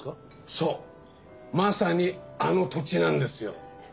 そうまさにあの土地なんですよ。